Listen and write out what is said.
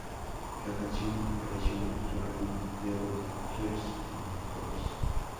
La canción apareció en su álbum debut "Girls in the House".